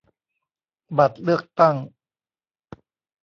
บัตรเลือกตั้ง